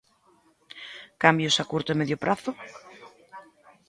Cambios a curto e medio prazo?